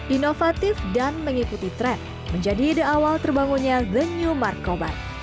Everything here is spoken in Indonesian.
inovatif dan mengikuti tren menjadi ide awal terbangunnya the new marcobar